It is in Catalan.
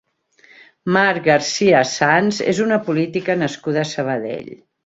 Mar Garcia Sanz és una política nascuda a Sabadell.